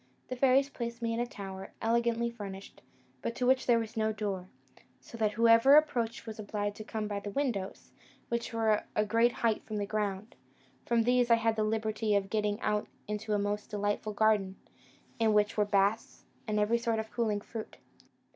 The fairies placed me in a tower, elegantly furnished, but to which there was no door, so that whoever approached was obliged to come by the windows, which were a great height from the ground: from these I had the liberty of getting out into a delightful garden, in which were baths, and every sort of cooling fruit.